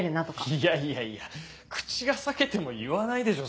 いやいやいや口が裂けても言わないでしょ